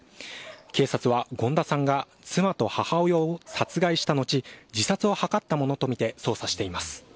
警察は権田さんが妻と母親を殺害したのち自殺を図ったものとみて捜査しています。